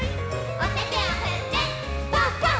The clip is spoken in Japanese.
おててをふってパンパン！